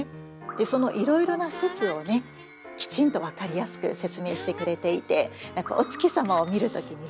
そのいろいろな説をきちんと分かりやすく説明してくれていて何かお月様を見る時にね